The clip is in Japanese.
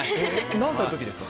何歳のときですか？